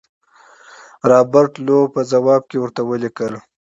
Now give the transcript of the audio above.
رابرټ لو په ځواب کې ورته ولیکل.